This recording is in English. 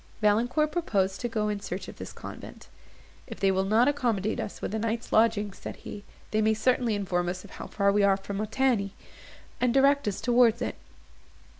Valancourt proposed to go in search of this convent. "If they will not accommodate us with a night's lodging," said he, "they may certainly inform us how far we are from Montigny, and direct us towards it."